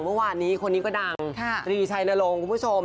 เมื่อวานนี้คนนี้ก็ดังตรีชัยนรงค์คุณผู้ชม